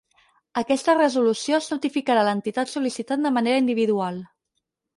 Aquesta resolució es notificarà a l'entitat sol·licitant de manera individual.